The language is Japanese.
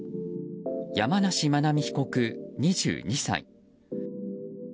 山梨真奈美被告、２２歳。